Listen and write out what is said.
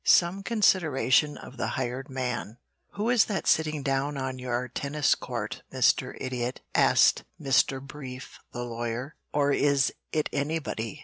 VIII SOME CONSIDERATION OF THE HIRED MAN "Who is that sitting down on your tennis court, Mr. Idiot?" asked Mr. Brief, the lawyer. "Or is it anybody?